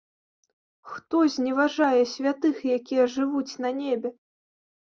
Хто зневажае святых, якія жывуць на небе?